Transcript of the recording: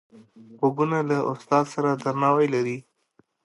غوږونه له استاد سره درناوی لري